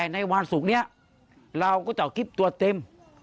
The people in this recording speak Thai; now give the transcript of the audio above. ในวันศุกร์นี้เราก็จะเอาคลิปตัวเต็ม